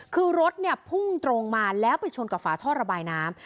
คือรถเนี่ยพุ่งตรงมาแล้วไปชนกับฝาท่อระบายน้ำ